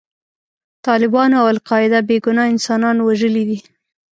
طالبانو او القاعده بې ګناه انسانان وژلي دي.